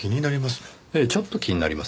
ええちょっと気になりますねぇ。